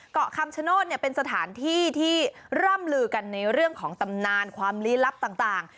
เกาะคำชโนธเป็นสถานที่ที่ร่ำลือกันในเรื่องของตำนานความลี้ลับต่าง